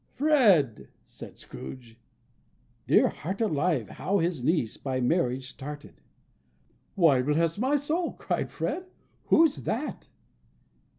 "Fred!" said Scrooge. Dear heart alive, how his niece by marriage started!... "Why, bless my soul!" cried Fred, "Who's that?"